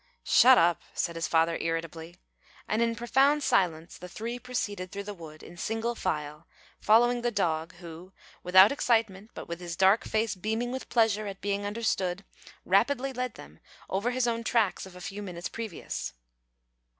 "Shut up!" said his father, irritably, and in profound silence the three proceeded through the wood in single file, following the dog who, without excitement, but with his dark face beaming with pleasure at being understood, rapidly led them over his own tracks of a few minutes previous.